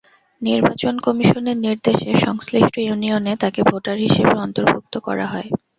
নির্বাচন কমিশনের নির্দেশে সংশ্লিষ্ট ইউনিয়নে তাঁকে ভোটার হিসেবে অন্তর্ভুক্ত করা হয়।